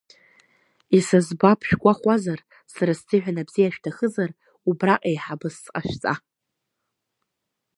Исызбап шәгәахәуазар, сара сзыҳәан абзиа шәҭахызар, убраҟа еиҳабыс сҟашәҵа.